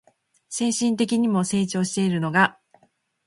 精神的にも成長しているのが